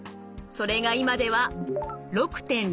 それが今では６．６％。